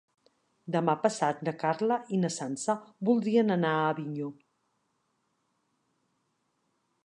Demà passat na Carla i na Sança voldrien anar a Avinyó.